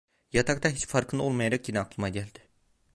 Yatakta hiç farkında olmayarak yine aklıma geldi.